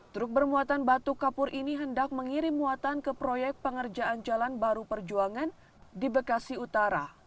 truk bermuatan batu kapur ini hendak mengirim muatan ke proyek pengerjaan jalan baru perjuangan di bekasi utara